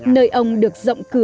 nơi ông được rộng cửa tự nhiên